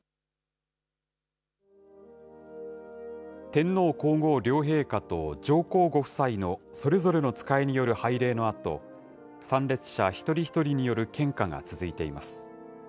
天皇皇后両陛下と上皇ご夫妻のそれぞれの使いによる拝礼のあと、参列者一人一人による献花が続いています。